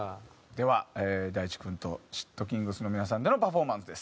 では大知君とｓ＊＊ｔｋｉｎｇｚの皆さんでのパフォーマンスです。